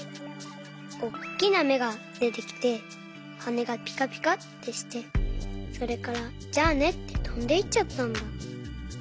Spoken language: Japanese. おっきなめがでてきてはねがぴかぴかってしてそれから「じゃあね」ってとんでいっちゃったんだ。